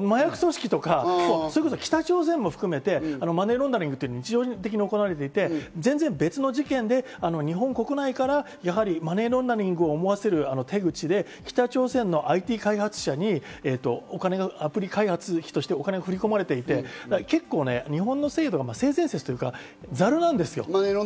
麻薬組織とか、それこそ北朝鮮も含めて、マネーロンダリングは日常的に行われていて、全然別の事件で日本国内からのマネーロンダリングを思わせる手口で北朝鮮のＩＴ開発者にお金がアプリ開発費としてお金が振り込まれていて、結構日本の制度が性善説、ザルなんですよ。